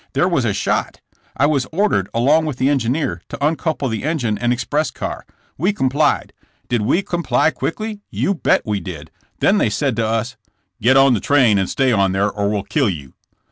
There was a shot. I was or dered, along with the engineer, to uncouple the en gine and express car. We complied! Did we com THE IvEEDS HOI.D UP. 116 ply quickly? You bet we did! Then they said to us: *' *Get on the train and stay on there, or we'll kill you!'